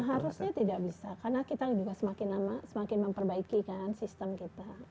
harusnya tidak bisa karena kita juga semakin lama semakin memperbaiki kan sistem kita